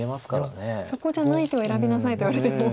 「そこじゃない手を選びなさい」と言われても。